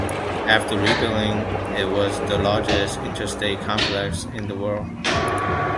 After rebuilding, it was the largest interchange complex in the world.